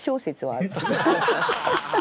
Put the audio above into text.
「ハハハハ！